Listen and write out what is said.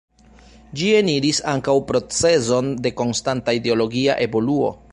Ĝi eniris ankaŭ procezon de konstanta ideologia evoluo.